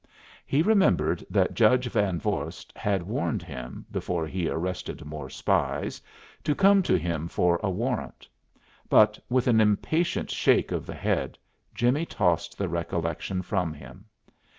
He remembered that Judge Van Vorst had warned him, before he arrested more spies, to come to him for a warrant. But with an impatient shake of the head Jimmie tossed the recollection from him.